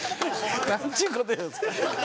何ちゅうこと言うんすか。